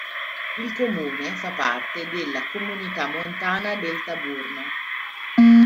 Il comune fa parte della Comunità montana del Taburno.